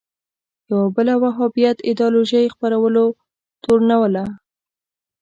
یوه بله وهابیت ایدیالوژۍ خپرولو تورنوله